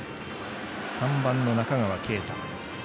３番の中川圭太。